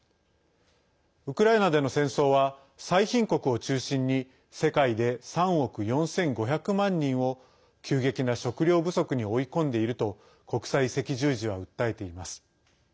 ウクライナでの戦争は最貧国を中心に世界で３億４５００万人を急激な食料不足に追い込んでいると国際赤十字は訴えています。